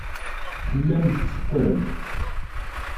Tellam tetteffrem.